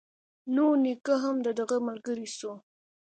نو نيکه هم د هغه ملگرى سو.